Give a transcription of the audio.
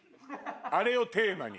「あれ」をテーマに。